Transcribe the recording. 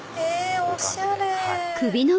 おしゃれ！